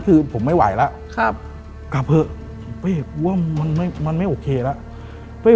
คือผมไม่ไหวแล้วครับกลับเถอะเฮ้ยกูว่ามันไม่มันไม่โอเคแล้วเฮ้ย